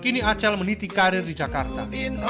kini acel meniti karir di jakarta